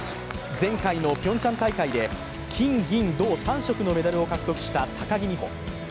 前回のピョンチャン大会で金銀銅３色のメダルを獲得した高木美帆。